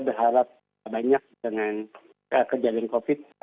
berharap banyak dengan kejadian covid sembilan belas